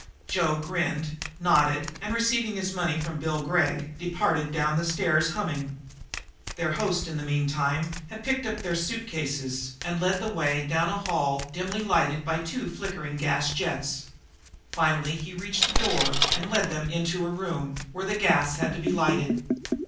Joe grinned, nodded and, receiving his money from Bill Gregg, departed down the stairs, humming. Their host, in the meantime, had picked up their suit cases and led the way down a hall dimly lighted by two flickering gas jets. Finally he reached a door and led them into a room where the gas had to be lighted.